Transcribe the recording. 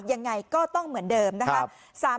ยังไงก็ต้องเหมือนเดิมนะคะ